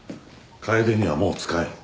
楓にはもう使えん。